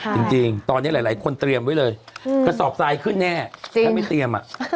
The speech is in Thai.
เป็นจริงตอนนี้หลายหลายคนเตรียมไว้เลยอืม